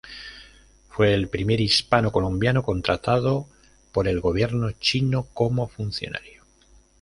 Fue el primer hispano-colombiano contratado por el gobierno chino como funcionario.